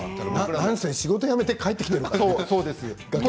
なんせ仕事を辞めて帰ってきてるからね。